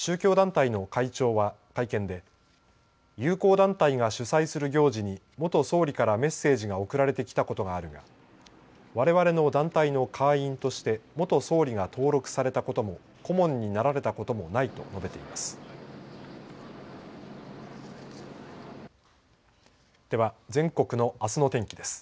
宗教団体の会長は会見で友好団体が主催する行事に元総理からメッセージが送られてきたことがあるがわれわれの団体の会員として元総理が登録されたことも顧問になられたこともないと述べています。